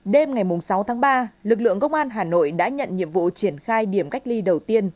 đêm ngày sáu tháng ba lực lượng công an hà nội đã nhận nhiệm vụ triển khai điểm cách ly đầu tiên